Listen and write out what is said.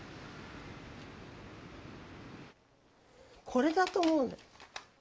これだと思うの。